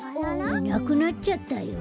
いなくなっちゃったよ。